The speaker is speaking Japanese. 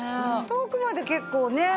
遠くまで結構ね。